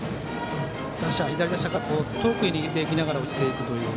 左打者から遠くに逃げていきながら落ちていくという。